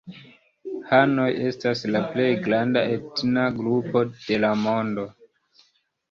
Hanoj estas la plej granda etna grupo de la mondo.